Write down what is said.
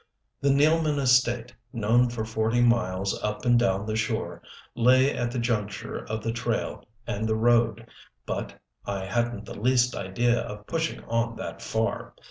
The Nealman estate, known for forty miles up and down the shore, lay at the juncture of the trail and the road but I hadn't the least idea of pushing on that far.